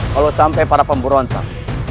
kalau sampai para pemberontak